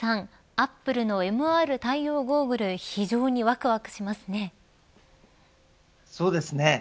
アップルのＭＲ対応ゴーグルそうですね。